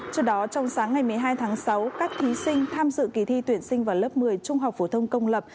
trước đó trong sáng ngày một mươi hai tháng sáu các thí sinh tham dự kỳ thi tuyển sinh vào lớp một mươi trung học phổ thông công lập